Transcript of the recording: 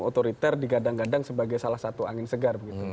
yang otoriter digadang gadang sebagai salah satu angin segar